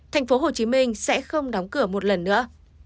tp hcm sẽ không đóng cửa một lần nữa